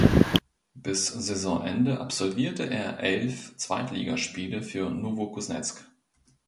Bis Saisonende absolvierte er elf Zweitligaspiele für Nowokusnezk.